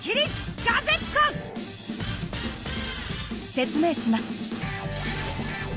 説明します。